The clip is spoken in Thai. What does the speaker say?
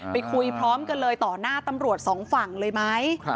ไปคุยพร้อมกันเลยต่อหน้าตำรวจสองฝั่งเลยไหม